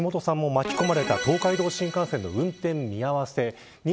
橋下さんも巻き込まれた東海道新幹線の運転見合わせ。